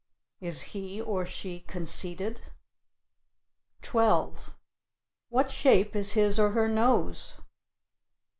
Is he or she conceited? 12. What shape is his or her nose?